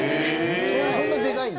そんなでかいんだ。